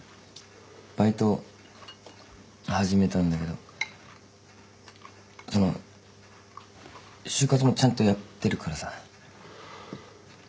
バイト始めたんだけどその就活もちゃんとやってるからさ。